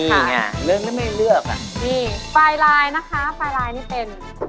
มีไงเลือกไม่เลือกค่ะนี่ปลายลายนะคะปลายลายนี่เป็น